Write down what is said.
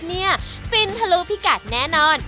ฟินทะลุพิกัดแน่นอน